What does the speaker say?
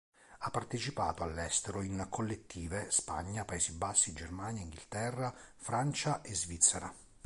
Ha partecipato all'estero in collettive: Spagna, Paesi Bassi, Germania, Inghilterra, Francia e Svizzera.